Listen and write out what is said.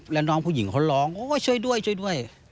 แล้วน้องผู้หญิงเขาร้องโอ้ยช่วยด้วย